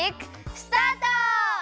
スタート！